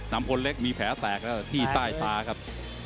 น้ำคนเล็กมีแผลแตกแล้วที่ใต้ตาครับ